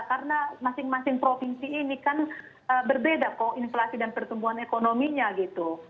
karena masing masing provinsi ini kan berbeda kok inflasi dan pertumbuhan ekonominya gitu